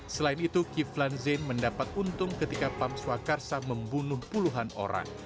selain itu kiflan zing mendapat untung ketika pamsuakarsa membunuh puluhan orang